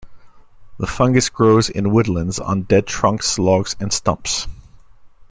The fungus grows in woodlands on dead trunks, logs, and stumps.